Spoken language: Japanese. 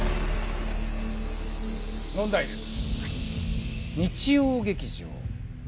問題です。